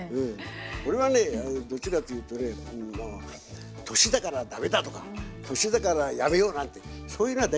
俺はねどっちかというとね年だから駄目だとか年だからやめようなんてそういうのは大嫌いなんだよね。